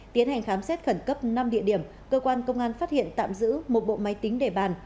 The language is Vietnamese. tiến hành khám xét khẩn cấp năm địa điểm cơ quan công an phát hiện tạm giữ một bộ máy tính để bàn